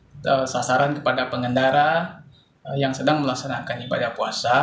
jadi kita laksanakan di jalan sasaran kepada pengendara yang sedang melaksanakannya pada puasa